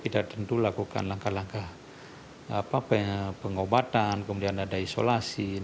kita tentu lakukan langkah langkah pengobatan kemudian ada isolasi